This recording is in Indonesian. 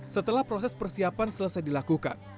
setelah proses persiapan selesai dilakukan